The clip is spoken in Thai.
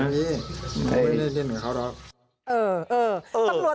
ผมไม่ได้เล่นกับเขาหรอก